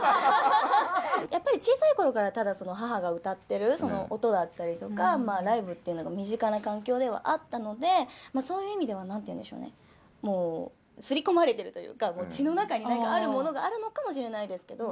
やっぱり小さいころから、ただ母が歌ってる、その音だったりとか、ライブっていうのが身近な環境ではあったので、そういう意味では、なんて言うんですかね、もう、刷り込まれてるというか、もう血の中にあるものがあるのかもしれないですけれども。